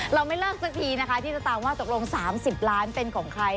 เราไม่เลิกสักทีนะคะที่จะตามว่าตกลง๓๐ล้านเป็นของใคร